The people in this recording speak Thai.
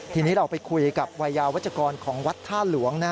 ทีนี้เราไปคุยกับวัยยาวัชกรของวัดท่าหลวง